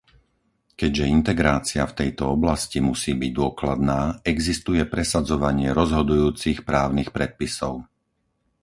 Keďže integrácia v tejto oblasti musí byť dôkladná, existuje presadzovanie rozhodujúcich právnych predpisov.